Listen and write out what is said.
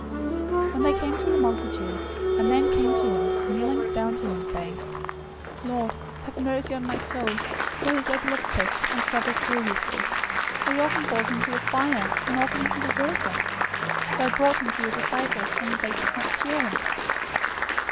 017:014 When they came to the multitude, a man came to him, kneeling down to him, saying, 017:015 "Lord, have mercy on my son, for he is epileptic, and suffers grievously; for he often falls into the fire, and often into the water. 017:016 So I brought him to your disciples, and they could not cure him."